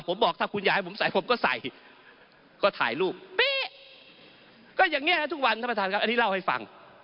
ผมบอกถ้าคุณอยากให้ผมใส่ผมก็ใส่ก็ถ่ายรูปเป๊ะก็อย่างนี้นะทุกวันท่านประธานครับอันนี้เล่าให้ฟัง